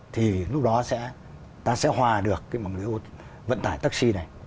thì lúc đó ta sẽ hòa được cái vận tải taxi này